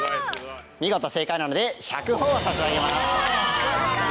見事正解なので１００ほぉを差し上げます。